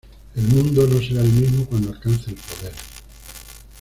El mundo no será el mismo cuando alcance el poder.